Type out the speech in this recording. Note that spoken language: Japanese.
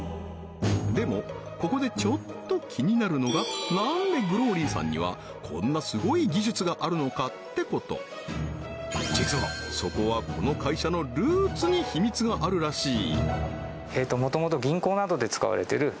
でもここでちょっと気になるのがなんでグローリーさんにはこんなすごい技術があるのかってこと実はそこはこの会社のルーツにヒミツがあるらしい